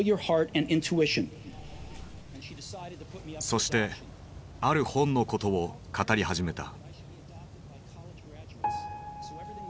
そしてある本のことを語り始めた。